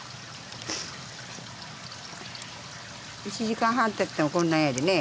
１時間半っていってもこんなやでね。